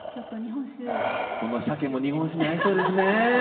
この鮭も日本酒に合いそうですね。